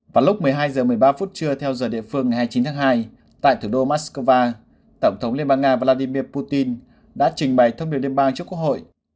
vào lúc một mươi hai h một mươi ba phút trưa theo giờ địa phương ngày hai mươi chín tháng hai tại thủ đô moscow tổng thống liên bang nga vladimir putin đã trình bày thông điệp đêm ba trước quốc hội